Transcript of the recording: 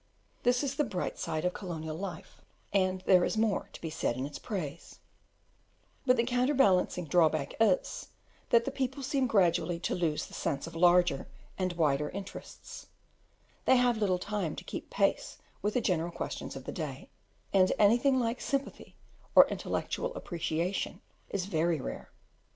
This is the bright side of colonial life, and there is more to be said in its praise; but the counterbalancing drawback is, that the people seem gradually to lose the sense of larger and wider interests; they have little time to keep pace with the general questions of the day, and anything like sympathy or intellectual appreciation is very rare.